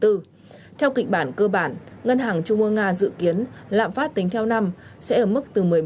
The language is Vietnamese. theo kịch bản cơ bản ngân hàng trung ương nga dự kiến lạm phát tính theo năm sẽ ở mức từ một mươi một